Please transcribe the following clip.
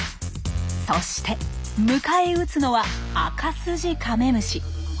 そして迎え撃つのはアカスジカメムシ。